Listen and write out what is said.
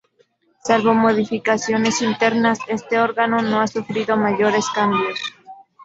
Salvo modificaciones internas, este órgano no ha sufrido mayores cambios.